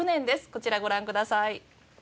こちらご覧ください。